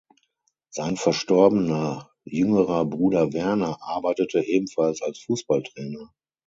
Sein verstorbener jüngerer Bruder Werner arbeitete ebenfalls als Fußballtrainer.